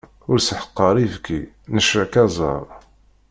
Ur sseḥqar ibki, necrek aẓar.